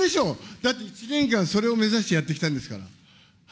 だって１年間それを目指してやってきたんですから。